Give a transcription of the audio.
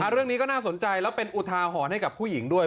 เรื่องนี้ก็น่าสนใจแล้วเป็นอุทาหรณ์ให้กับผู้หญิงด้วย